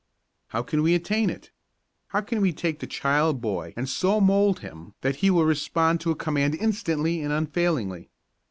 How can we attain it? How can we take the child boy and so mould him that he will respond to a command instantly and unfailingly?